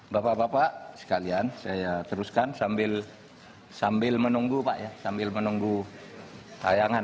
bapak bapak sekalian saya teruskan sambil menunggu tayangan